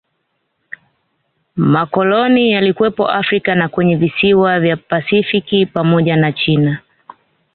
Makoloni yalikuwepo Afrika na kwenye visiwa vya pasifiki pamoja na China